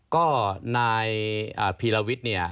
ก็นายพีรวิทย์เนี่ย